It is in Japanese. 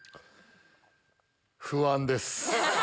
不安です。